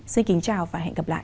xin kính chào và hẹn gặp lại